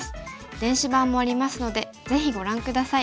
電子版もありますのでぜひご覧下さい。